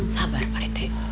sabar pak rt